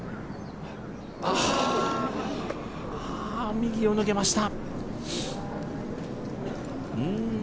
右を抜けました。